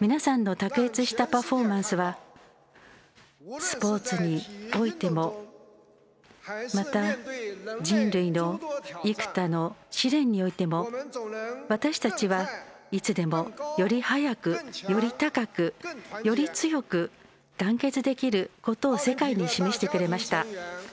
皆さんの卓越したパフォーマンスはスポーツにおいてもまた人類の幾多の試練においても私たちはいつでもより速く、より高く、より強く団結できることを世界に示してくれました。